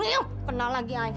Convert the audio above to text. aduh kenal lagi ayo